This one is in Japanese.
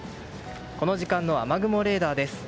この時間の雨雲レーダーです。